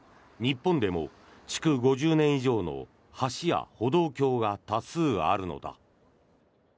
日本でも築５０年以上の橋や歩道橋が多数あるのだ。